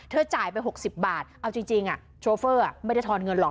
จ่ายไป๖๐บาทเอาจริงโชเฟอร์ไม่ได้ทอนเงินหรอก